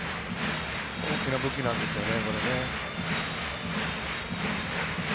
大きな武器なんですよね。